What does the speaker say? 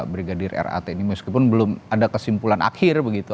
tidak terjadi lagi seperti yang menimpa brigadir rat ini meskipun belum ada kesimpulan akhir begitu